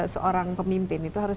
seorang pemimpin itu harus